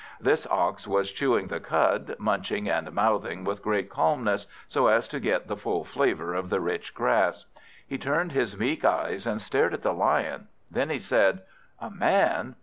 This Ox was chewing the cud, munching and mouthing with great calmness, so as to get the full flavour of the rich grass. He turned his meek eyes, and stared at the Lion. Then he said "A Man!